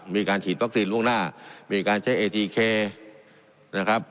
มีการฉีดวัคซีนล่วงหน้ามีการใช้เอทีเคนะครับ